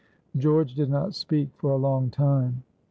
George did not speak for a long time.